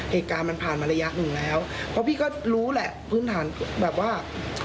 เหตุการณ์มันผ่านมาระยะหนึ่งแล้วเพราะพี่ก็รู้แหละพื้นฐานแบบว่า